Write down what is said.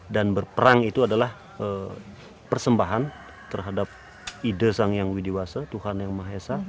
dan berperang itu adalah persembahan terhadap ide sang yang widiwasa tuhan yang mahesa